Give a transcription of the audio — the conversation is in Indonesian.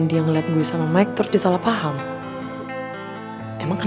disinian aja aku sebentar